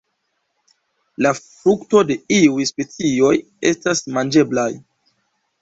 La frukto de iuj specioj estas manĝeblaj.